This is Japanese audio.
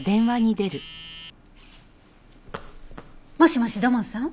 もしもし土門さん？